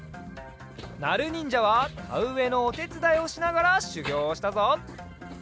なるにんじゃはたうえのおてつだいをしながらしゅぎょうをしたぞ。